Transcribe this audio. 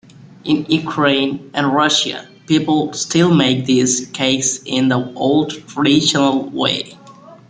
In Ukraine and Russia, people still make these cakes in the old traditional way.